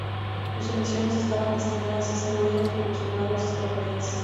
Sus emisiones estaban destinadas a ser oídas por los soldados estadounidenses.